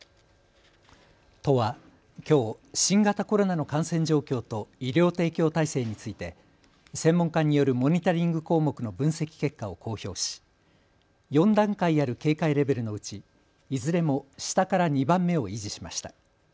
都はきょう新型コロナの感染状況と医療提供体制について専門家によるモニタリング項目の分析結果を公表し４段階ある警戒レベルのうちいずれも下から２番目を維持しました。